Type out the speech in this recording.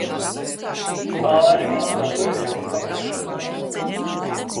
Pāri visam vējo kotlešu smārds.